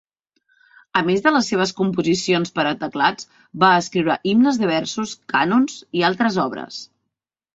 A més de les seves composicions per a teclats, va escriure himnes de versos, cànons i altres obres.